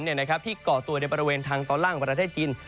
ที่เกาะตัวในบริเวณทางตอนล่างของประเทศจีน